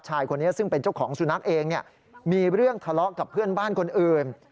ชายคนนี้ซึ่งเป็นเจ้าของสุนัขเองมีเรื่องทะเลาะกับเพื่อนบ้านคนอื่น